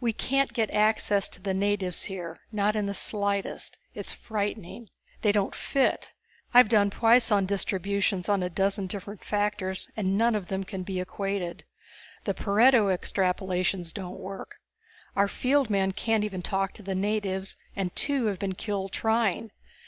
We can't get access to the natives here, not in the slightest. It's frightening! They don't fit! I've done Poisson Distributions on a dozen different factors and none of them can be equated. The Pareto Extrapolations don't work. Our field men can't even talk to the natives and two have been killed trying.